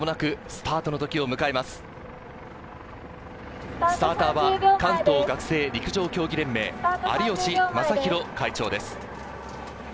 スターターは関東学生陸上競技連盟、有吉正博会長です。